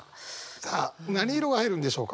さあ何色が入るんでしょうか？